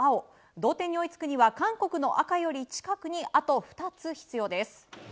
同点に追いつくには韓国の赤より近くにあと２つ必要です。